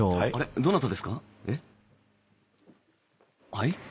はい？